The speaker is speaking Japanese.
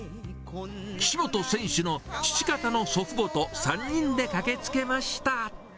岸本選手の父方の祖父母と３人で駆けつけました。